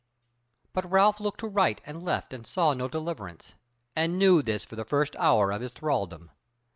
But Ralph looked to right and left and saw no deliverance, and knew this for the first hour of his thralldom.